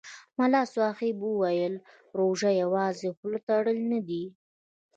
ملا صاحب ویل: روژه یوازې خوله تړل نه دي.